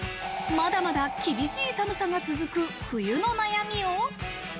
まだまだ厳しい寒さが続く冬の悩みを。